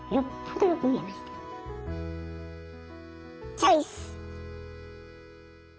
チョイス！